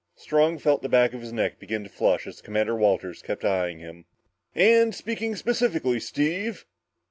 Strong felt the back of his neck begin to flush as Walters kept eyeing him. "And speaking specifically, Steve?"